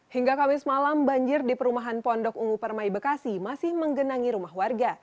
hingga kamis malam banjir di perumahan pondok ungu permai bekasi masih menggenangi rumah warga